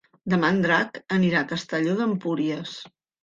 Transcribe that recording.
Demà en Drac anirà a Castelló d'Empúries.